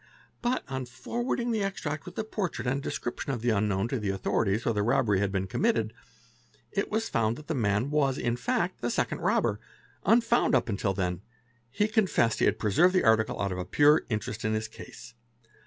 But on forwarding the extract with the portrait and description of the unknown to the — authorities where the robbery had been committed, it was found that the — man was in fact the second robber, unfound up till then; he confessed | he had preserved the article out of pure 'interest in his case."